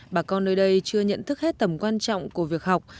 bà con nơi đây chưa nhận thức hết tầm quan trọng của việc học